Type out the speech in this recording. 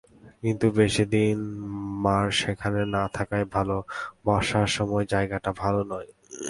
কিন্তু বেশি দিন মার সেখানে না থাকাই ভালো–বর্ষার সময় জায়গাটা ভালো নয়।